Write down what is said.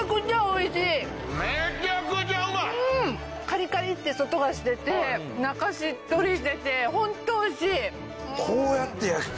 カリカリッて外がしてて中しっとりしててホント美味しい！